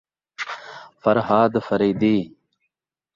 Farhad Faridi